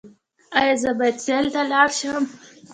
ایا زه باید سیل ته لاړ شم؟